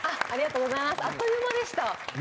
あっという間でした。